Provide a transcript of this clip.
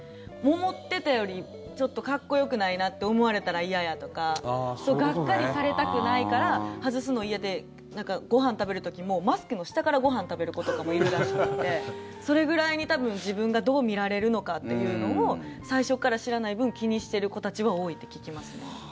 思ってたよりかっこよくないって思われたら嫌やとかがっかりされたくないから外すの嫌でご飯食べる時も、マスクの下からご飯食べる子とかもいるらしくてそれぐらいに多分、自分がどう見られるのかというのを最初から知らない分気にしてる子たちは多いって聞きますね。